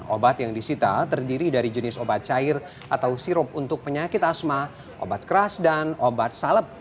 obat yang disita terdiri dari jenis obat cair atau sirup untuk penyakit asma obat keras dan obat salep